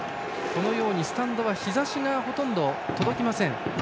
このようにスタンドは日ざしがほとんど届きません。